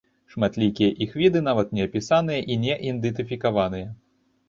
Шматлікія іх віды нават не апісаныя і не ідэнтыфікаваныя.